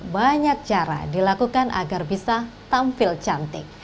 banyak cara dilakukan agar bisa tampil cantik